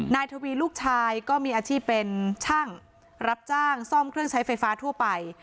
นายทวีลูกชายก็มีอาชีพเป็นช่างรับจ้างซ่อมเครื่องใช้ไฟฟ้าทั่วไป